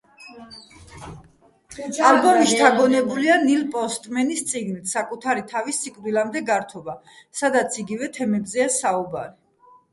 ალბომი შთაგონებულია ნილ პოსტმენის წიგნით „საკუთარი თავის სიკვდილამდე გართობა“, სადაც იგივე თემებზეა საუბარი.